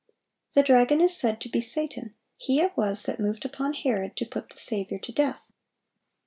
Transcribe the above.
The dragon is said to be Satan;(735) he it was that moved upon Herod to put the Saviour to death.